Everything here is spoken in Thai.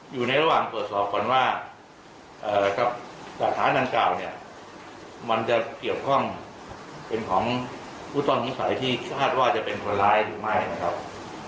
อยู่ในระหว่างต่อสอบว่าสาธารณ์ดังกล่าวมันจะเกี่ยวกับของผู้ต้องสงสัยที่คาดว่าจะเป็นคนร้ายหรือไม่